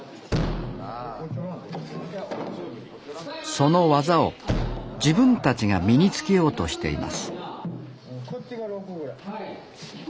その技を自分たちが身に付けようとしています